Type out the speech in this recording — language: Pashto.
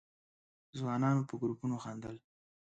ځوانانو په گروپونو خندل.